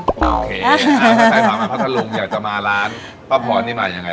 โอเคถ้าใครพามาพัทธรุงอยากจะมาร้านป้าพรนี่มายังไง